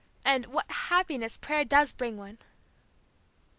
And, what happiness prayer does bring one!"